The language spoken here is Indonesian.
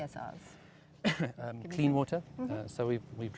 kami telah meletakkan dua uang